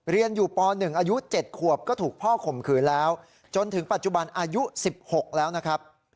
เรียนอยู่ป๑อายุ๗ขวบก็ถูกพ่อข่มขืนแล้วจนถึงปัจจุบันอายุ๑๖แล้วนะครับ